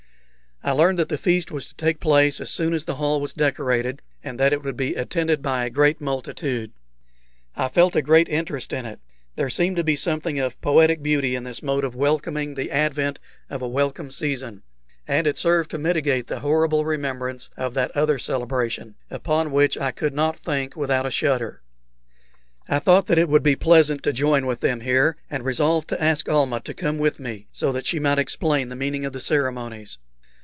I learned that the feast was to take place as soon as the hall was decorated, and that it would be attended by a great multitude. I felt a great interest in it. There seemed something of poetic beauty in this mode of welcoming the advent of a welcome season, and it served to mitigate the horrible remembrance of that other celebration, upon which I could not think without a shudder. I thought that it would be pleasant to join with them here, and resolved to ask Almah to come with me, so that she might explain the meaning of the ceremonies.